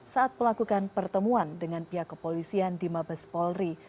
saat melakukan pertemuan dengan pihak kepolisian di mabes polri